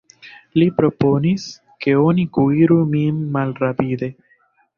Li proponis, ke oni kuiru min malrapide.